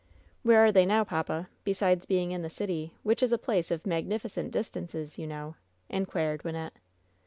86 WHEN SHADOWS DIE "Where are they now, papa, besides being in the city, which is a place of ^magnificent distances,' you know?'' inquired Wynnette.